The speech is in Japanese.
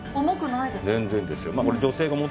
全然ですよ。